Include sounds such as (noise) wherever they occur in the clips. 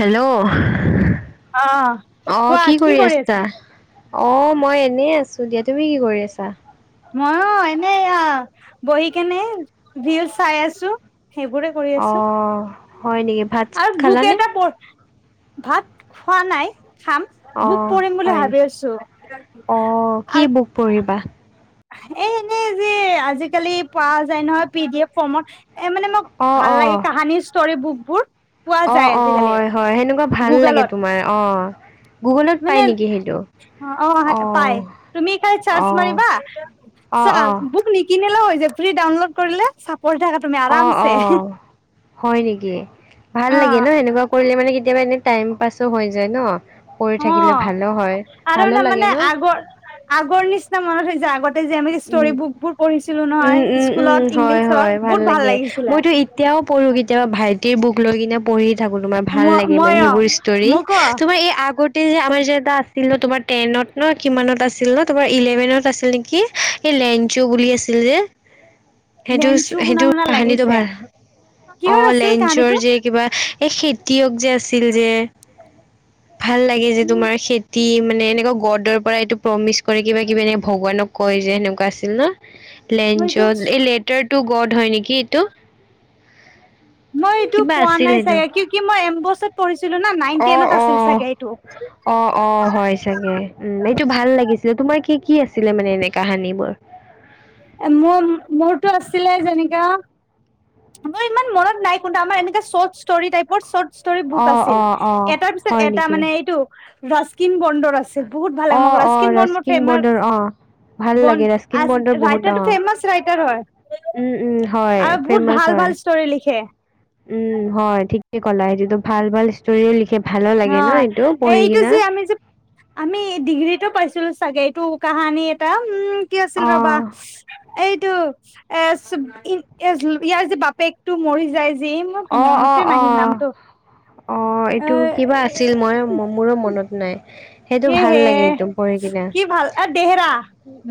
Hello. অ', অঁ কি কৰি আছা? অ' মই এনেই আছো দিয়া। তুমি কি কৰি আছা? মইয়ো এনে এইয়া বহি কেনে ৰিলিছ চাই আছোঁ। সেইবোৰে কৰি আছো অহ হয় নেকি? ভাত চাত আৰু বোক খালানে এটা পৰ, ভাত খোৱা নাই খাম। বুক অঁ পঢ়িম বুলি হয় নেকি ভাবি আছোঁ, অঁ কি আৰ বুক পঢ়িবা। এ এনেই যে আজিকালি পোৱা যায় নহয় পি ডি এফ ফৰ্মত এ মানে মোক অঁ ভাল অঁ লাগে কাহানী ষ্টৰী বুকবোৰ। পোৱা অঁ যায় অঁ আজিকালি হয় হয় সেনেকুৱা ভাল লাগে গুগলত তোমাৰ অঁহ, গুগুলত পাই নেকি সেইটো? অঁ হে পাই, তুমি খালি চাৰ্চ অঁ মাৰিবা অঁ চা অঁ বুক নি কিনিলেও হৈ যায়, ফ্ৰী ডাউনলোড কৰিলে চা পঢ়ি থকা অঁ অহ হয় নেকি? ভাল অ লাগে ন এনেকুৱা কৰিলে মানে কেতিয়াবা এনেই টাইম পাছো হৈ যায় ন। কৰি অ থাকিলে ভালো হয়, আৰু ভালো লাগে তাৰমানে ন? আগৰ আগৰ নিচিনা মনত হৈ যায়, আগত- এই যে আমি উম ষ্টৰি বুক বোৰ পঢ়িছিলোঁ উম, নহয় উম, উম, স্কুলত হয়, ইংলিছৰ হয়, বহুত ভাল লাগে। লাগিছিলে। মইতো এতিয়াও পঢ়ো কেতিয়াবা ভাইটিৰ বুক লৈ কিনে- পঢ়ি থাকো তোমাৰ ম ভাল লাগে মই মানে অ সেইবোৰ ষ্টৰি, মোক তোমাৰ এই আগত- এই যে আমাৰ যে এটা আছিল ন তোমাৰ টেনত ন কিমানত আছিল ন তোমাৰ ইলেভেনত আছিল নেকি? এই লেনচো বুলি আছিল যে। সেইটোচ লেঞ্চু শুনা সেইটো শুনা কাহানীটো লাগিছে ভাল, কিহৰ অঁ' আছিল লেনচোৰ কাহানীটো যে- কিবা এই খেতিয়ক যে আছিল যে- ভাল লাগে যে তোমাৰ খেতি মানে, এনেকুৱা গডৰ পৰা এইটো প্ৰমিচ কৰে কিবা কিবা এনেকে ভগৱানক- কয় যে সেনেকুৱা আছিল ন, লেঞ্চত মইটো এই লেটাৰটো গড হয় নেকি এইটো? মই এইটো কিবা পোৱা আছিল নাই সেইটো চাগে? কিওঁকি মই এম বছত পঢ়িছিলো ন, নাইন টেনত আছিল চাগে এইটো। অঁ' অঁ' হয় চাগে উম', এইটো ভাল লাগিছিলে, তোমাৰ কি কি আছিলে মানে এনে কাহানী বোৰ? এ মোৰ, মোৰতো আছিলে যেনেকা- মোৰ ইমান মনত নাই কোন্ত, আমাৰ এনেকা চৰ্তচ ষ্টৰি টাইপৰ চৰ্ত- ষ্টৰি বুক অ আছিল, অ অ এটাৰ পিছত হয় এটা নেকি মানে এইটো ৰাচকিন বন্দৰ আছি- ছিল, বহুত ভাল লাগে অ মোক অ ৰাজকিনখন বহুত ৰাস্কিন ফেমাছ। বৰ্ডৰ অ ভাল বন লাগে ৰাস্কিন আছ বৰ্ডৰ বহুত ৰাইটাৰটো অ ফেমাছ ৰাইটাৰ হয়। উম উম হয় আৰু বহুত ফেমাচ ভা- ভাল হয় ভাল ষ্টৰি লিখে। উম' হয় ঠিকেই ক'লা, এইটোতো ভাল ভাল ষ্টৰিও লিখে, ভালো অ লাগে ন এইটো পঢ়ি এইটো কিনা। যে আমি যে আমি ডিগ্ৰীতো পাইছিলো চাগে এইটো কাহানী এটা, উম' কি আছিল ৰবা? অ', এইটো এ চোব ইয়াৰ যে বাপেকটো মৰি যায়- যে মোক মনতে নাহিল নামটো। অঁ এ এইটো কিবা আছিল মইও মোৰো মনত নাই। সেইটো এ ভাল হে লাগে এইটো পঢ়ি কিনা, কি ভাল এ দেহেৰা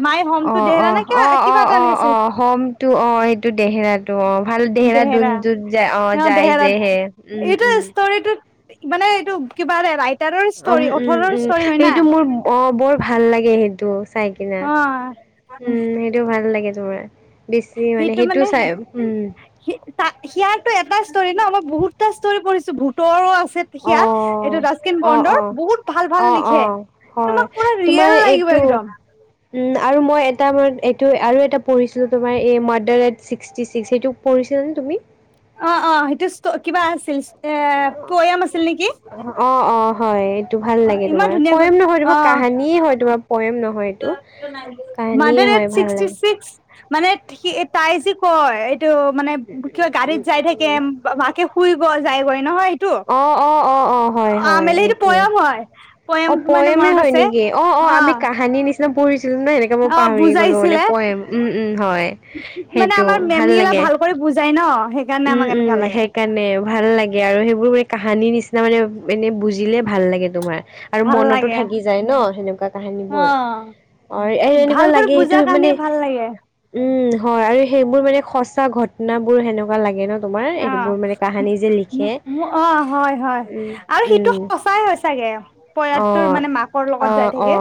মাই হোম টু অ‌ঁহ দেহেৰা অঁহ। নে অ‌ঁ কিবা কিবা অঁ এটা অঁ এনেকে আছিল অঁ হমটো অঁ সেইটো দেহেৰাটো অঁ ভাল দেহেৰা দুনটোট- অঁ দেহেৰাত, এইটো উম। ষ্টৰিটোত মানে এইটো কিবা ৰে ৰাইট- উম' উম' উম' সেইটো মোৰ অঁ বৰ ভাল লাগে সেইটো চাই কিনা। অ উম' সেইটো ভাল লাগে তোমাৰ, বেছি মানে সেইটো চাই উম। সি তা সিয়াৰটো এটা ষ্টৰী ন, মই বহুতটা ষ্টৰি পঢ়িছো ভোতৰো আছে- সিয়াৰ এইটো অ', ৰাষ্টকিন অ', বন্দৰ অ', বহুত ভাল ভাল অ', লিখে। অ', হয়। তোমাক পুৰা তোমাৰ ৰিয়েল লাগিব এইটো একদম। উম' আৰু মই এটা মান এইটো আৰু এটা পঢ়িছিলো তোমাৰ এ murder in sixty six সেইটো- পঢ়িছিলানে তুমি? অঁ অঁ সেইটো ষ্ট কিবা আছিল এ পয়াম আছিল নেকি? অঁ অঁ হয়, এইটো ভাল অ লাগে ইমান তোমাৰ। ধুনীয়াকৈ প্ৰয়েম নহয় তোমাৰ কাহিনীয়ে হয় তোমাৰ। পয়েম নহয় এইটো কাহানীয়ে মদাৰ হয় এন ভাল ছিক্সটি লাগে। চিক্স- মানে সি তাই যি কয়, এইটো মানে কিবা গাড়ীত যাই থাকিম- মাকে শুই ব যায়গৈ নহয়। সেইটো অঁ অঁ অঁ। অঁ অঁ হয় হয় আমেলি সেইটো সেইটোৱে, পয়াম হয় পয়াম অঁ মানে পয়েমে মনত হয় আছে নেকি? অঁ অঁ অ আমি কাহানি নিচি- পঢ়িছিলো না এনেকা মই অ পাহৰিয়ে গলো মানে বুজাইছিলে পয়েম উম উম হয়। মানে সেইটো আমাৰ মেমগিলা লাগে। ভাল কৰি বুজাই ন, সেইকাৰণে আমাক এনেকা লাগে। সেই কাৰণে ভাল লাগে আৰু সেইবোৰ মানে কাহানিৰ নিচিনা মানে এনেই বুজিলে ভাল লাগে তোমাৰ। আৰু ভাল মনতো লাগে থাকি যায় ন সেনেকুৱা কাহানী অ বোৰ। অহ এই এনেকুৱা ভাল কৰি লাগে সেইটো বুজা কাৰনে মানে, ভাল লাগে উম হয় আৰু সেইবোৰ মানে সচা ঘটনাবোৰ সেনেকুৱা লাগে ন। তোমাৰ এইবোৰ মানে কাহানী যে লিখে। মো অ হয়। হয় উম আৰু সিটো উম সঁচাই হয় চাগে, অ পয়েকটো মানে মাকৰ লগত অ যাই অ থাকে।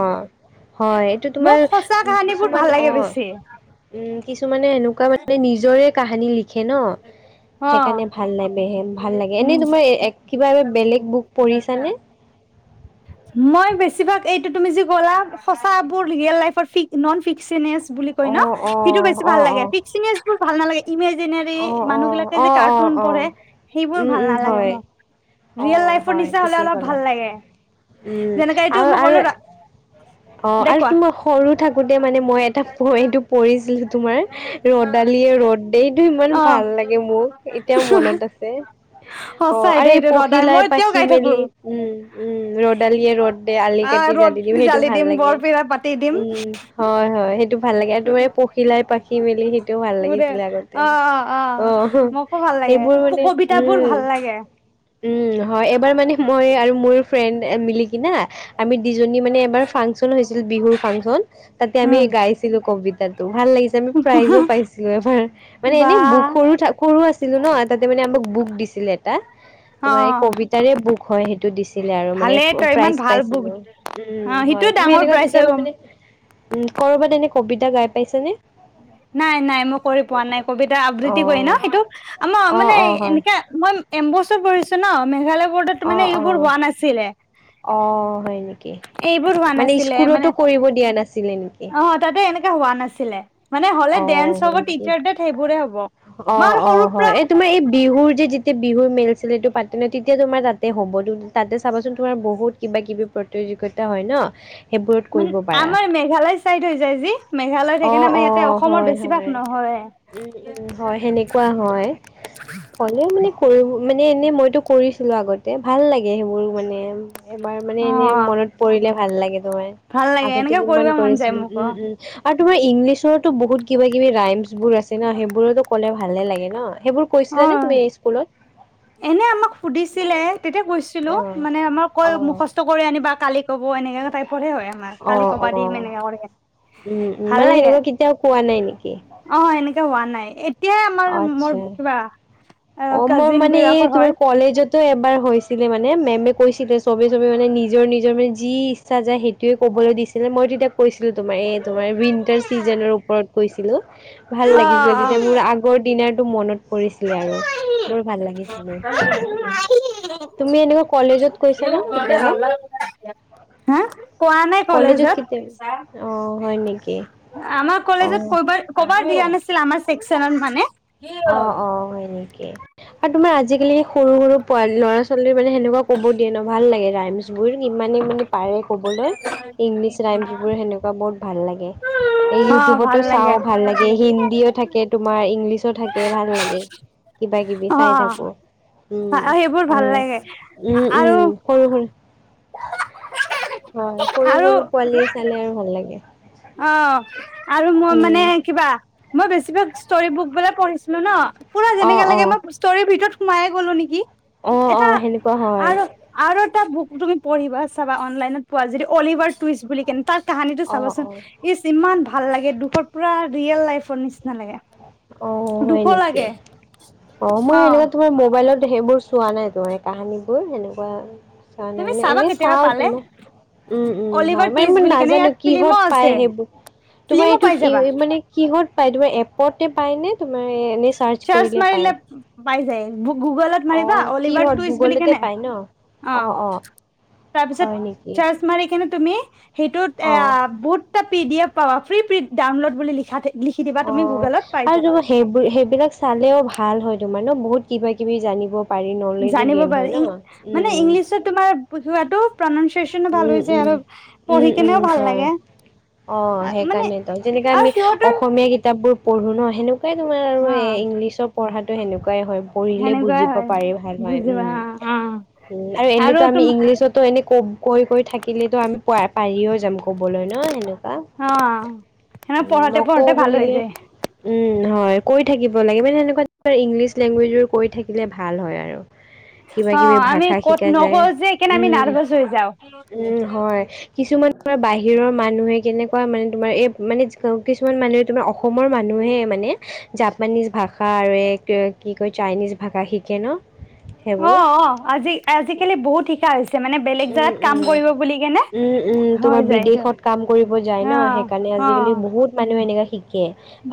হয় এইটো তোমাৰ মোক সঁচা কাহানীবোৰ কিছুমান ভাল অ। লাগে বেছি উম কিছুমানে এনেকুৱা মানে নিজৰে কাহানী লিখে। লিখে ন, অ সেইকাৰণে ভাল লাগে ভাল লাগে। উম এনেই তোমাৰ এক কিবা এ বেলেগ বুক পঢ়িছানে? মই বেছিভাগ এইটো তুমি যি ক'লা সঁচাবোৰ ৰিয়েল লাইফৰ ফিক ননফিকচনেচ বুলি কয় অ', ন, সেইটো অ', বেছি ভাল অ', লাগে ফিক্সিনেচবোৰ ভাল নালাগে। ইমাজিনেৰি অ', মানুহ অ', বিলাকে যে অ', কাৰ্টুন পঢ়ে, অ', উম সেইবোৰ ভাল উম নালাগে হয়। মোক। ৰিয়েল অ' লাইফৰ হয় নিচিনা হলে ঠিকেই অলপ ক'লা। ভাল লাগে। উম যেনেকে এইটো আৰু মই ক'লো আৰু অ দে আৰু কোৱা তোমাৰ সৰু থাকোতে মানে মই এটা পয়েমটো পঢ়িছিলো তোমাৰ, ৰদালিয়ে ৰ'দ দে, এইটো ইমান অ ভাল লাগে মোক এতিয়াও মনত আছে। অ সঁচাই আৰু দে এই সেইটো ৰদাই পখিলাই মই এতিয়াও পাখি গাই থাকো মেলি, উম। উম ৰ'দালিয়ে ৰ'দ দে আলি আহ কাটি জালি ৰ'দ দিম সেইটো জ্বালি ভাল লাগে, বৰপিৰা পাতি দিম উম। হয় হয় সেইটো ভাল লাগে আৰু তোমাৰ এই পখিলাই পাখি মেলি সেইটোও ভাল বোৰে লাগিছিলে আগত তে, অ হ মোকো ভাল লাগে সেইবোৰ মানে, কবিতাবোৰ উম। ভাল লাগে উম হয়, এইবাৰ মানে মই আৰু মোৰ ফ্ৰেণ্ড মিলি কিনা আমি দুজনী মানে এবাৰ ফাংচন হৈছিল বিহুৰ ফাংচন তাতে আমি উম গাইছি ছিলো কবিতাটো ভাল লাগিছে আমি প্ৰাইজো পাইছিলো এবাৰ। মানে বা এনেই বুক সৰু সৰু আছিলো ন তাতে মানে আমাক বুক দিছিলে এটা। অ তোমাৰ এই কবিতাৰে বুক হয় সেইটো দিছিলে আৰু মানে ভালেই তই ইমান প্ৰাইজ ভাল বুক পাইছিলো। অ সিটো হয় তুমি ডাঙৰ এনেকুৱা প্ৰাইজ হৈ কেতিয়াবা গম মানে উ, কৰবাত এনে কবিতা গাই পাইছা নে? নাই নাই মই কৰি পোৱা নাই কবিতা আবৃত্তি কৰি ন অ', সেইটো? আমাৰ অ', মানে অ', হয়। এনেকা, মই এম্বচত পঢ়িছো ন, মেঘালয় বৰ্ডত মানে অ', এইবোৰ অ', হোৱা নাছিলে। অ হয় নেকি, এইবোৰ হোৱা মানে নাছিলে মানে স্কুলতো কৰিব দিয়া নাছিলে নেকি? অ তাতে এনেকা হোৱা নাছিলে। মানে হলে অ ডেন্স হ'ব হয় নেকি? টিচাৰ ডেত সেইবোৰে হ'ব অ মই অ সৰুৰ হয়, পৰা এই তোমাৰ এই বিহুৰ যে যি তিয়া বিহুৰ মেল চেলটো পাতে ন তেতিয়া তোমাৰ তাতে হ'ব তাতে চাবাচোন তোমাৰ বহুত কিবা কিবি প্ৰতি- -যোগিতা হয় ন! সেইবোৰত মানে কৰিব পাৰা। আমাৰ মেঘালয় চাইদ হৈ যায় যি, মেঘালয় অ', থাকেনা আমাৰ ইয়াতে অ', অসম অসমৰ হয়, বেছিভাগ হয়। নহয়ে। উম, উম, হয় সেনেকুৱা হয়। হলেও মানে কৰিব মানে এনেই মইতো কৰিছিলো আগতে ভাল লাগে সেইবোৰ মানে। এবাৰ মানে অ এনে মনত পৰিলে ভাল লাগে তোমাৰ। ভাল লাগে আগতে এনেকে কিমান কৰিব মন যায় কৰিছিলো, মোক উম অ উম। আৰু তোমাৰ ইংলিছৰতো বহুত কিবা কিবি ৰাইমচ বোৰ আছে ন সেইবোৰতো ক'লে ভালে লাগে ন সেইবোৰ অ কৈছিলা নে তুমি স্কুলত? এনে আমাক সুধিছিলে তেতিয়া কৈছিলো অ মানে আমাৰ কৈ অ মুখ স্ত কৰি আনিবা কালি ক'ব এনেকুৱা টাইপৰ হে হয়। তোমাক অ কালি কবা অ দিম এনেকে কয়, উম উম ভাল মানে লাগে। সেনেকুৱা কেতিয়াও কোৱা নাই নেকি অ এনেকে হোৱা নাই, এতিয়াই আমাৰ মোৰ আচ্ছা কিবা। অ মই কাজিন মানে এই বিলাকৰ হয় তোমাৰ কলেজত। এবাৰ হৈছিলে মানে মেমে কৈছিলে চবে চবে মানে নিজৰ নিজৰ মানে যি। ইচ্ছা যায় সেইটোৱে কবলৈ দিছিলে মই তেতিয়া কৈছিলো তোমাৰ এই তোমাৰ উইন্টাৰ চিজনৰ ওপৰত কৈছিলো। ভাল অ লাগিছিলে অ তেতিয়া মোৰ আগৰ দিনাৰটো মনত পৰিছিলে আৰু। (unintelligible) (unintelligible) বৰ ভাল লাগিছিলে তুমি এনেকুৱা কলেজত কৈছানে কেতিয়াবা হা কোৱা নাই কলেজত। অ হয় নেকি আমাৰ কলেজত অ কব ক'বাৰ দিয়া নাছিলে আমাৰ ছেকচনত মানে। অ অ হয় নেকি? আৰু তোমাৰ আজিকালি সৰু সৰু পোৱা ল'ৰা ছোৱালী। আচলতে মানে সেনেকুৱা ক'ব দিয়ে ন ভাল লাগে ৰাইমৰ্চ বোৰ ইমানে মানে পাৰে। ক'বলৈ ইংলিছ ৰাইমছবোৰ সেনেকুৱা বহুত ভাল লাগে। অ ইউটিউবতো ভাল লাগে চাওঁ ভাল লাগে হিন্দীও থাকে তোমাৰ ইংলিছও থাকে। এ ভাল লাগে কিবা কিবি অ চাই থাকো উম সেইবোৰ ভাল আৰু। লাগে উম আৰু উম সৰু ভোন হয় সৰু আৰু সৰু পোৱালীয়ে চালে আৰু ভাল লাগে। অ আৰু মই উম। মানে কিবা মই বেছিভাগ ষ্টৰি বুক বিলাক পঢ়িছিলোঁ ন। অ অ। তৰিৰ ভিতৰত সোমাই গ'লো নেকি অ', এটা অ', সেনেকুৱা হয় আৰু। আৰু এটা বুক তুমি পঢ়িবা চাবা অনলাইনত পোৱা যদি অলিভাৰ টুইচ বুলি কেনে তাৰ কাহানীটো অ', চাবাচোন। অ', ইচ ইমান ভাল লাগে দুখৰ পুৰা ৰিয়েল লাইফৰ নিচিনা লাগে। অ হয় দুখ নেকি লাগে অ মই সেনেকুৱা তোমাৰ মোবাইলত। সেইবোৰ চোৱা নাই তোমাৰ কাহানী বোৰ সেনেকুৱা চোৱা নাই তুমি মানে চাবা এনে কেতিয়াবা চাও পালে তোমাক। উম উম অলিভাৰ হয় মানে টুইষ্ট মই বুলি কেনে নাজানো ইয়াৰ কিহত ফিল্মো পায় আছে সেইবোৰ তোমাৰ ফিল্মো এইটো পাই যাবা মানে। কিহত পায় তোমাৰ এপতে পায়নে তোমাৰ এনেই চাৰ্চ কৰিলে পায়। পাই যায় গুগলত অ মাৰিবা অলিভাৰ কিহত টুইচ বুলি গুগলতে কেনে পায় ন অ। তাৰপিছত হয় নেকি চাৰ্চ মাৰি কেনে তুমি সেইটোত এ অ বুত পি ডি এফ পাবা ফ্ৰী ডাউনলোড বুলি লিখা লিখি দিবা অ তুমি গুগলত পাই আৰু যাবা তোমাৰ সেইবোৰ সেইবিলাক চালেও ভাল হয় তোমাৰ ন বহুত কিবা কিবি জানিব পাৰি নলেজো জানিব গেইন হয় পাৰি ইং মানে ন ইংলিছত তোমাৰ বুজোৱাটো প্ৰনানচিয়েচনো ভাল উম হৈ যায় উম উম আৰু উম পঢ়ি উম কেনেও ভাল হয় লাগে অ মানে সেইকাৰণেতো যেনেকে আৰু আমি সিহঁতৰ অসমীয়া কিতাপবোৰ পঢ়োঁ ন সেনেকুৱাই তোমাৰ আৰু অ এই ইংলিছৰ পঢ়াটো সেনেকুৱাই হয় পঢ়িলে সেনেকুৱাই বুজিব হয় পাৰি ভাল হয় বুজিবা উম অ আৰু এনেতো আমি ইংলিছত ত এনে ক কৈ কৈ থাকিলেতো আমি প পাৰিও যাম কবলৈ ন সেনেকুৱা অ সেনে উম পঢ়োতে নকও পঢ়োতে ভাল হৈ বুলিলে যায় উম হয় কৈ থাকিব লাগে মানে সেনেকুৱা ইংলিছ লেংগুৱেজ বোৰ কৈ থাক শিকিলে ভাল হয় আৰু কিবা অ কিবি ভাষা শিকা যায় উম থৈ যাওক উম হয় কিছুমান তোমাৰ বাহিৰৰ মানুহে কেনেকুৱা মানে তোমাৰ এই মানে কিছুমান মানুহে তোমাৰ অসমৰ মানুহে মানে জাপানীজ ভাষা আৰু এক কি কয় চাইনিজ ভাষা শিকে ন অ সেইবোৰ অ আজি আজিকালি বহুত শিকা হৈছে মানে বেলেগ উম জেগাত কাম উম কৰিব বুলি কেনে উম উম হৈ তোমাৰ যায় এইটো বিদেশত কাম কৰিব যায় অ ন সেইকাৰণে অ আজিকালি বহুত মানুহ এনেকুৱা শিকে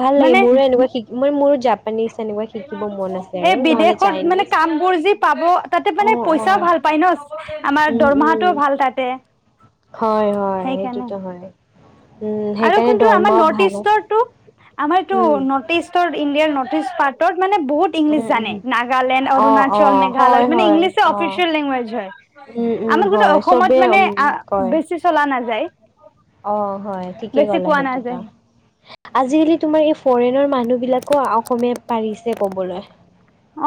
ভাল লাগে মানে মোৰো এনেকুৱা শিক মই মোৰো জাপানিজ এনেকুৱা শিকিব মন আছে আৰু এই নহ'লে বিদেশত মানে চাইনিজ কাম বোৰ যি পাব তাতে অ মানে অ পইচা ভাল পাই ন আমাৰ উম উম দৰমহাটোও ভাল তাতে। হয়, হয় সেইকাৰণে সেইটোতো হয়। উম আৰু সেইকাৰণে কোনটো আমাৰ দৰমহাও নৰ্থ ভাল হয় ইষ্টৰটো? আমাৰটো উম নৰ্থ ইষ্টৰ ইণ্ডিয়াৰ নৰ্থ ইষ্ট পাৰ্টত মানে বহুত উম ইংলিছ উম জানে নাগালেণ্ড অ অ অৰুণাচল হয় মেঘালয় মানে হয় ইংলিছে অ অফিচিয়েল লেংগুৱেজ হয়। উম উম আমাৰ কোনো হয় অসমত চবেই মানে উম কয় বেছি চলা নাযায়। অ' হয় ঠিকে বেছি ক'লা কোৱা সেইটোত নাযায় অ', আজিকালি তোমাৰ এই ফ'ৰেনৰ মানুহ বিলাক ক অসমীয়া পাৰিছে ক'বলৈ।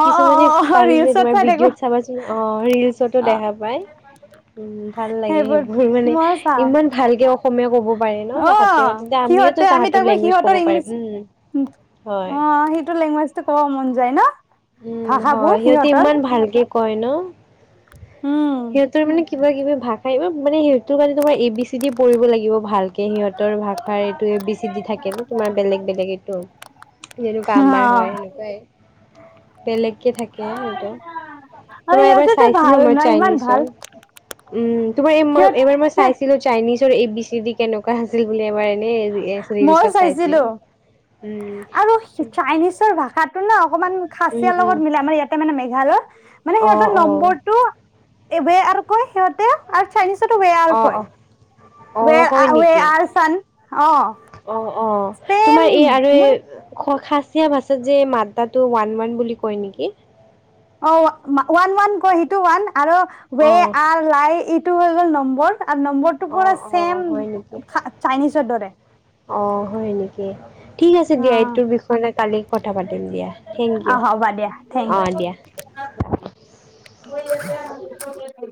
অ অ অ কিছুমানে অ পাৰি যাই ৰিলচত তোমাৰ চাই থাকো ভিডিঅ'ত চাবাচোন অ' ৰিলচতো অ দেখা পায়। উম, ভাল লাগে সেইবোৰ মানে মই চাওঁ ইমান ভালকে অসমীয়া ক'ব পাৰে ন তাহাঁতে, অ' তেতিয়া আমিওটো সিহঁতে আমি তাহাঁতৰ তাকো লেংগুৱেজ ক'ব সিহঁতৰ পাৰিম ইংলিছ উম। হয় অ' সেইটো লেংগুৱেজটো ক'ব মন যায় ন। উম, ভাষাবোৰ হয়। সিহঁতে সিহঁতৰ ইমান ভালকে কয় ন। উম। সিহঁতৰ মানে কিবাকিবি ভাষা এইবোৰ মানে সিহঁতৰ কাৰণে তোমাৰ এ বিচ চি দি পহৰিব লাগিব ভালকে, সিহঁতৰ ভাষাৰ এইটো এ বি চি দি থাকে ন তোমাৰ বেলেগ বেলেগ এইটো। যেনেকুৱা অ আমাৰ হয় সেনেকুৱাই। বেলেগকে থাকে সেইটো আৰু তোমাৰ, এবাৰ সিহঁতেতো চাইছিলো ভাল মই ন ইমান চাইনিজৰ। ভাল উম, তোমাৰ সিহঁত এইবাৰ মই সিহঁত চাইছিলো চাইনিজৰ এ বি চি দি কেনেকুৱা আছিল বুলি এবাৰ এনেই ৰিলচত চাইছিলো উম। আৰু চাইনিজৰ ভাষাটো ন অকমান উম খাচিয়াৰ উম লগত মিলে, আমাৰ ইয়াতে মানে মেঘালয়ত মানে অ সিহঁতৰ অ নম্বাৰটো এবে আৰু কয় সিহঁতে আৰু চাইনিছ অ (unintelligible) কয় অ অ ৱে হয় আৰ ৱে নেকি আৰ চান অ অ', অ' ছেম তোমাৰ এই আৰু মোৰ এই খোলসাচ চিয়া ভাষাত যে মাদ্ৰাটো ওৱান ওৱান বুলি কয় নেকি? অ' ওৱান ওৱান কয় আৰু সেইটো ওৱান আৰু ৱে অ আৰ লাই ইটো হৈ গ'ল নম্বৰ আৰু নম্বৰটো অ পুৰা অ ছেম হয় চাইনিজৰ দৰে। অঁ হয় নেকি? ঠিক আছে দিয়া এইটো বিষলৈ কালি কথা পাতিম দিয়া থেংক ইউ। অ' দিয়া। মই (unintelligible)